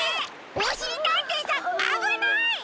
おしりたんていさんあぶない！